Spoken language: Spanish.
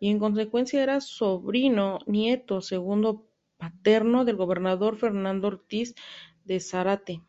Y en consecuencia era sobrino nieto segundo paterno del gobernador Fernando Ortiz de Zárate.